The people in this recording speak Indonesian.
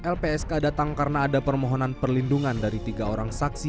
lpsk datang karena ada permohonan perlindungan dari tiga orang saksi